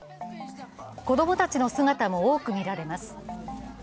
子供たちの姿も多く見られます。